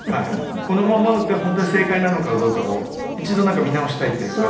このままが本当に正解なのかどうかを一度見直したいというか。